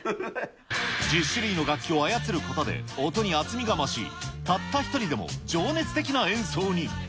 １０種類の楽器を操ることで、音に厚みが増し、たった１人でも情熱的な演奏に。